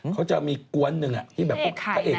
เขาจะมีก้นนึงที่พระเอกขายน้ำ